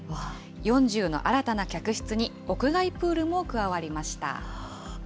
４０の新たな客室に屋外プールも加わりました。